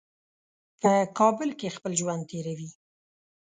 په کابل کې خپل ژوند تېروي.